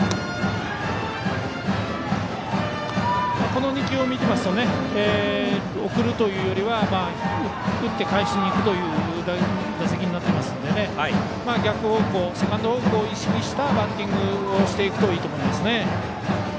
この２球を見ていますと送るというよりは打って、かえしに行くという打席になっているので逆方向、セカンド方向を意識したバッティングをするといいと思いますね。